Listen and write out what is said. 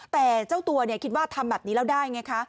แต่เจ้าตัวคิดว่าทำแบบนี้แล้วได้ไงคะ